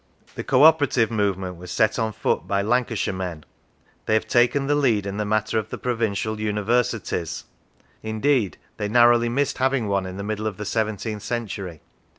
The Co operative movement was set on foot by Lancashire men. They have taken the lead in the matter of Provincial Uni versities; indeed, they narrowly missed having one in the middle of the seventeenth century.